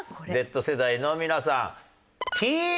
Ｚ世代の皆さん